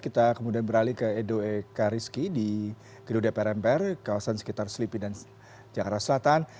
kita kemudian beralih ke edo ekariski di gedung dpr mpr kawasan sekitar selipi dan jakarta selatan